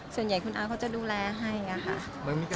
ส่วนใหญ่คุณอาอาวเขาจะดูแลให้ค่ะ